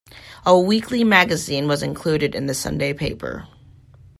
A weekly magazine was included in the Sunday paper.